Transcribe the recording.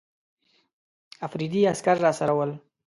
افریدي عسکر راسره ول.